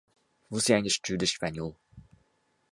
Você ainda estuda Espanhol.